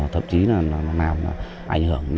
thậm chí là nào là ảnh hưởng